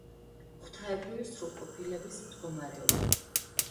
ღვთაებრივი სრულყოფილების მდგომარეობა.